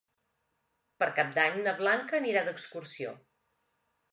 Per Cap d'Any na Blanca anirà d'excursió.